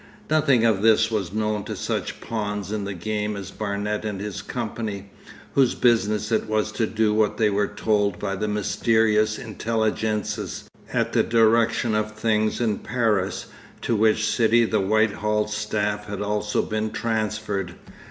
Nothing of this was known to such pawns in the game as Barnet and his company, whose business it was to do what they were told by the mysterious intelligences at the direction of things in Paris, to which city the Whitehall staff had also been transferred.